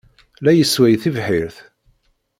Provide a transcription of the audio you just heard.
La yessway tibḥirt.